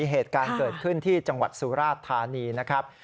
เหตุการณ์เกิดขึ้นที่จังหวัดสุราชธานีนะครับ